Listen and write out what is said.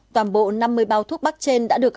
toàn bộ năm mươi bao thuốc bắc trên đã được